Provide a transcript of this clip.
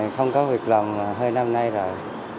không có việc làm hơi năm nay rồi